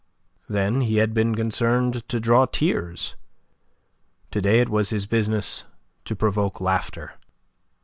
Then he had been concerned to draw tears; to day it was his business to provoke laughter.